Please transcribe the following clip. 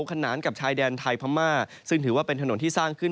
ขนานกับชายแดนไทยพม่าซึ่งถือว่าเป็นถนนที่สร้างขึ้น